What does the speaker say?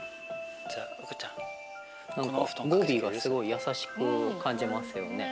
何か語尾がすごい優しく感じますよね。